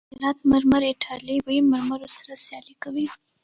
د هرات مرمر ایټالوي مرمرو سره سیالي کوي.